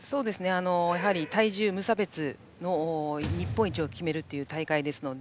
やはり、体重無差別の日本一を決めるという大会ですので